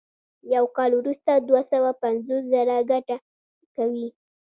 یو کال وروسته دوه سوه پنځوس زره ګټه کوي